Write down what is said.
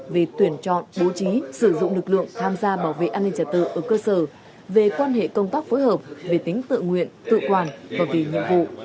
về tuyển chọn bố trí sử dụng lực lượng tham gia bảo vệ an ninh trật tự ở cơ sở về quan hệ công tác phối hợp về tính tự nguyện tự quản và vì nhiệm vụ